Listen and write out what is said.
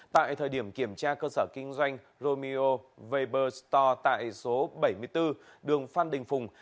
tại thời điểm kiểm tra cơ sở kinh doanh romio vber store tại số bảy mươi bốn đường phan đình phùng